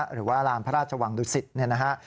หรือว่าลานพระราชวังดุสิตเนี่ยนะฮะ